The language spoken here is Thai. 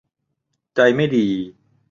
ใจไม่ดี